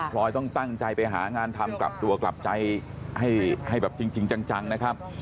พลอยต้องตั้งใจไปหางานทำกลับตัวกลับใจให้แบบจริงจังนะครับ